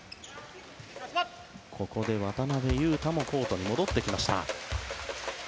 ここで、渡邊雄太もコートに戻ってきました。